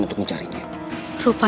untuk buka kompor saya